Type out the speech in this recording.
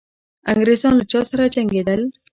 انګریزان له چا سره جنګېدل؟